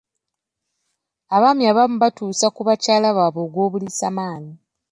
Abaami abamu batuusa ku bakyala baabwe ogw'obuliisamaanyi.